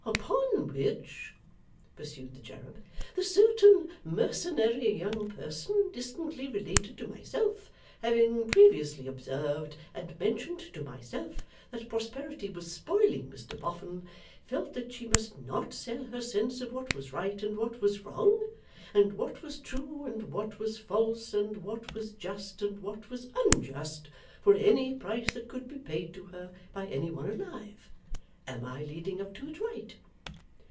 'Upon which,' pursued the cherub, 'the certain mercenary young person distantly related to myself, having previously observed and mentioned to myself that prosperity was spoiling Mr Boffin, felt that she must not sell her sense of what was right and what was wrong, and what was true and what was false, and what was just and what was unjust, for any price that could be paid to her by any one alive? Am I leading up to it right?